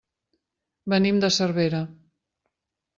Venim de Cervera.